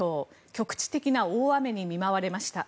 局地的な大雨に見舞われました。